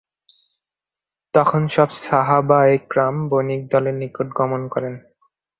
তখন সব সাহাবা-এ-কিরাম বণিক দলের নিকট গমন করে।